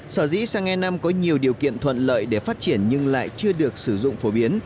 sở dĩ sang e năm có nhiều điều kiện thuận lợi để phát triển nhưng lại chưa được sử dụng phổ biến